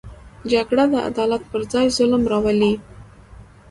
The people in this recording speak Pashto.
جګړه د عدالت پر ځای ظلم راولي